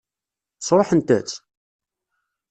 Sṛuḥent-tt?